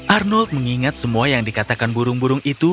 arnold mengingat semua yang dikatakan burung burung itu